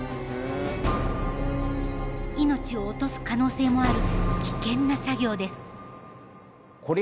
命を落とす可能性もある危険な作業です。